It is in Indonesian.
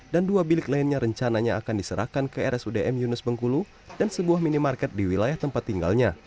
dan dua bilik lainnya rencananya akan diserahkan ke rsudm yunus bengkulu dan sebuah minimarket di wilayah tempat tinggalnya